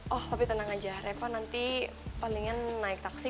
oh tapi tenang aja reva nanti palingan naik taksi